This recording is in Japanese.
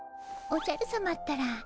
おじゃるさまったら